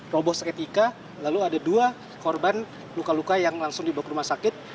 robos etika lalu ada dua korban luka luka yang langsung dibawa ke rumah sakit